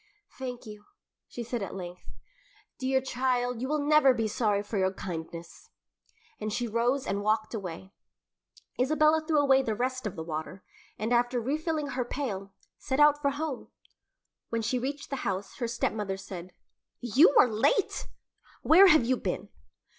"Thank you," she said at length. "Dear child, you will never be sorry for your kindness;" and she rose and walked away. Isabella threw away the rest of the water, and after refilling her pail, set out for home. When she reached the house, her stepmother said, "You are late! Where have you been?"